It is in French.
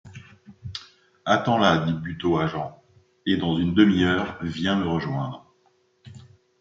Attends là, dit Buteau à Jean, et dans une demi-heure, viens me rejoindre...